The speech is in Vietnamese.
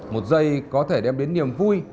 một dây có thể đem đến niềm vui